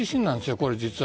これ実は。